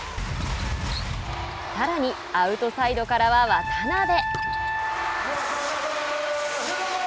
さらに、アウトサイドからは渡邉。